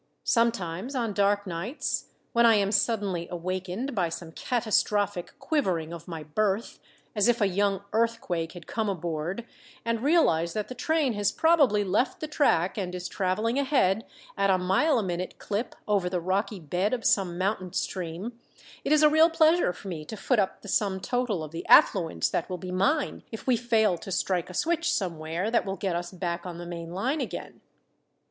Sometimes on dark nights when I am suddenly awakened by some catastrophic quivering of my berth, as if a young earthquake had come aboard, and realize that the train has probably left the track, and is traveling ahead at a mile a minute clip over the rocky bed of some mountain stream, it is a real pleasure to me to foot up the sum total of the affluence that will be mine if we fail to strike a switch somewhere that will get us back on the main line again."